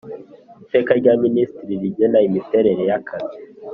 Iteka rya Minisitiri rigena imiterere yakazi.